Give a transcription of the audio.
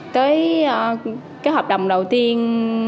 tới hợp đồng đầu tiên